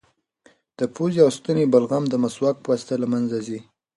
د پوزې او ستوني بلغم د مسواک په واسطه له منځه ځي.